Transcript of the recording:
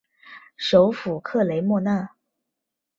首府克雷莫纳。